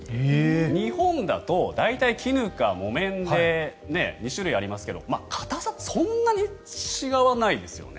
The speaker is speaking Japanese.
日本だと大体絹か木綿で２種類ありますけど硬さってそんなに違わないですよね。